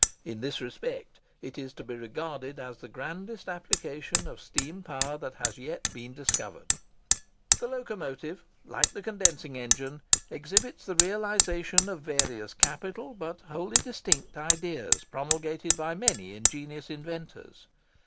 In this respect, it is to be regarded as the grandest application of steam power that has yet been discovered. The Locomotive, like the condensing engine, exhibits the realisation of various capital, but wholly distinct, ideas, promulgated by many ingenious inventors.